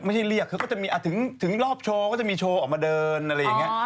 เรียกเขาก็จะมีถึงรอบโชว์ก็จะมีโชว์ออกมาเดินอะไรอย่างนี้